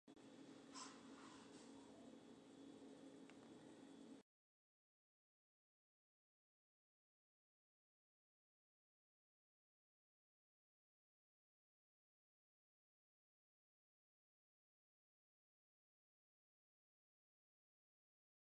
Más tarde supervisó la construcción.